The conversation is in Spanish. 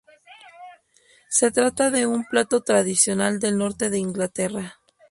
Se trata de un plato tradicional del norte de Inglaterra.